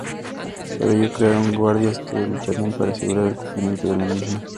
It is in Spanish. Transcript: Para ello crearon guardias que lucharían para asegurar el cumplimiento de la misma.